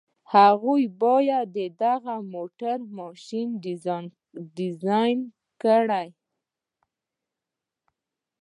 هغوی بايد د دغه موټر ماشين ډيزاين کړي.